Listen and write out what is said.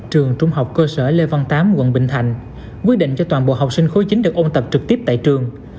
trường trung học cơ sở lê văn tám quận bình thạnh quyết định cho toàn bộ học sinh khối chín được ôn tập trực tiếp tại trường